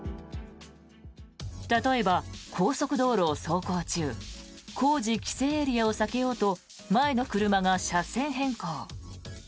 例えば高速道路を走行中工事規制エリアを避けようと前の車が車線変更。